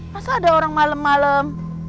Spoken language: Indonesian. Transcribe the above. masa ada orang malem malem